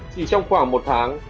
chỉ trong khoảng một tháng